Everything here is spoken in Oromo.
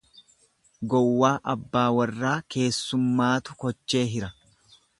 Gowwaa abbaa warraa keessummaatu kochee hira.